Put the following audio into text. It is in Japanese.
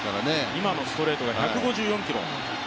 今のストレートが１５４キロ。